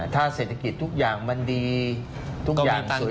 ถ้าเศรษฐกิจทุกอย่างมันดีทุกอย่างสุด